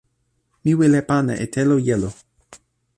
mi wile pana e telo jelo.